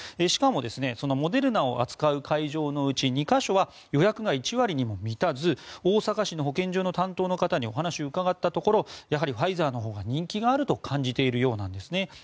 しかもモデルナを扱う会場のうち２か所は予約が１割にも満たず大阪市の保健所の担当の方にお話を伺ったところやはりファイザーのほうが人気があると感じているようです。